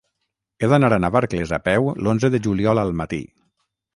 He d'anar a Navarcles a peu l'onze de juliol al matí.